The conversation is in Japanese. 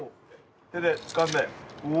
手でつかんでうお！